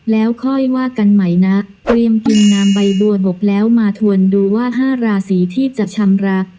แล้วค่อยว่ากันใหม่นะเตรียมกินน้ำใบบัวบกแล้วมาทวนดูว่า๕ราศีที่จะชำระ